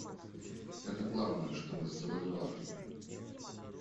Это главное, что мы сделали в Африке.